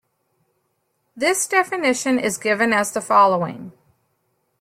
This definition is given as the following.